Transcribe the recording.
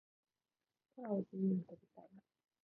空を自由に飛びたいな